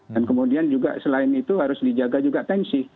dan kemudian juga selain itu harus dijaga juga pensi